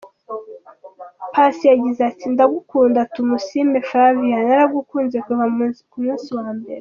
A Pass yagize ati “Ndagukunda Tumusiime Flavia, naragukunze kuva ku munsi wa mbere.